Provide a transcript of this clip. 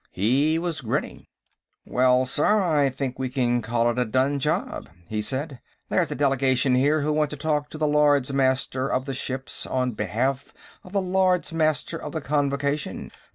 He was grinning. "Well, sir, I think we can call it a done job," he said. "There's a delegation here who want to talk to the Lords Master of the ships on behalf of the Lords Master of the Convocation.